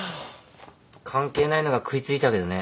関係ないのが食い付いたけどね。